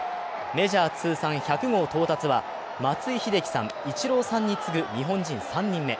メジャー通算１００号到達は松井秀喜さん、イチローさんに次ぐ日本人３人目。